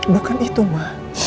bukan itu ma